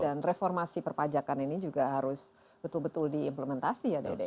dan reformasi perpajakan ini juga harus betul betul diimplementasi ya dede